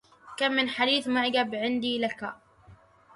كم من حديث معجب عندي لكا